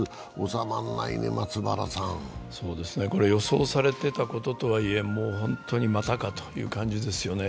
収まらないね、松原さん。予想されていたこととはいえホントに、またかという感じですよね。